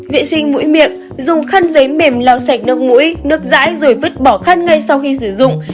vệ sinh mũi miệng dùng khăn giấy mềm làm sạch nước mũi nước dãi rồi vứt bỏ khăn ngay sau khi sử dụng